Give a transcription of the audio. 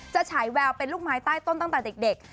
ฉายแววเป็นลูกไม้ใต้ต้นตั้งแต่เด็ก